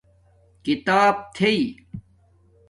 کھیتاپ تھݵ